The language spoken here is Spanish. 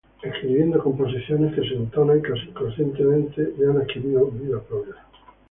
Escribiendo composiciones que se entonan casi inconscientemente y han adquirido vida propia.